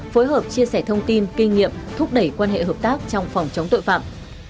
phối hợp chia sẻ thông tin kinh nghiệm thúc đẩy quan hệ hợp tác trong phòng chống tội phạm